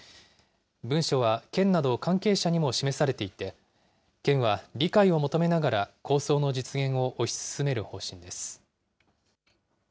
文書は県など関係者にも示されていて、県は理解を求めながら構想の実現を推し進める方針です。